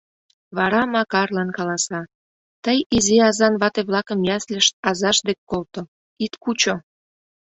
Вара Макарлан каласа: — Тый изи азан вате-влакым ясльыш азашт дек колто, ит кучо...